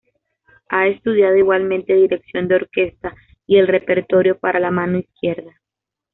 Ha estudiado igualmente dirección de orquesta y el repertorio para la mano izquierda.